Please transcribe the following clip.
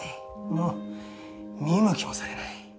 もう見向きもされない。